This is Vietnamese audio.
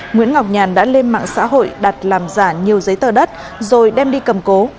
nguyễn ngọc nhàn đã lên mạng xã hội đặt làm giả nhiều giấy tờ đất rồi đem đi cầm cố